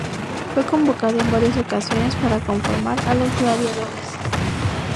Fue convocado en varias ocasiones para conformar a los Gladiadores.